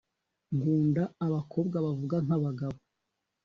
Nkunda abakobwa bavuga nka bagabo